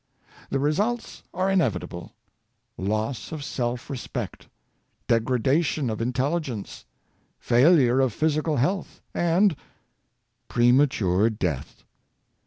The results are inevitable — loss of self respect, degradation of intelli gence, failure of physical health, and premature death.